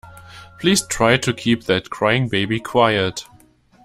Please try to keep that crying baby quiet